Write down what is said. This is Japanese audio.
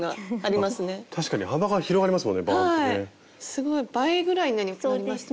すごい倍ぐらいになりますね。